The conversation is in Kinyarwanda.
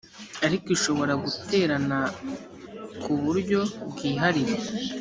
ariko ishobora guterana ku buryobwihariye